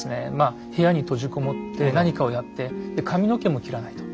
部屋に閉じ籠もって何かをやってで髪の毛も切らないと。